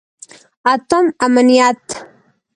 اتم: امنیت.